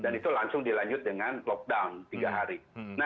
dan itu langsung dilanjut dengan lockdown tiga hari